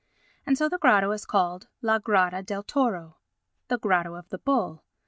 And so the grotto is called "La grotta del toro" [The grotto of the bull].